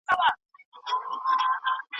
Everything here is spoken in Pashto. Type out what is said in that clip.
ته لدغې قصې څخه خبر نه وې.